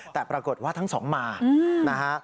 แต่ปรากฏว่าทั้งสองมานะฮะ